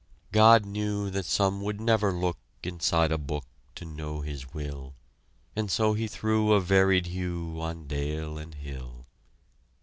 God knew that some would never look Inside a book To know His will, And so He threw a varied hue On dale and hill.